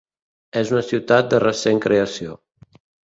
És una ciutat de recent creació.